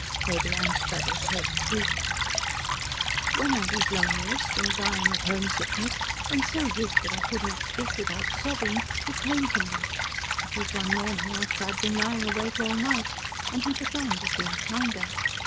Lady Anstruthers' head dropped. "When I was loneliest, and dying of homesickness, and so weak that I could not speak without sobbing, he came to me it was one morning after I had been lying awake all night and he began to seem kinder.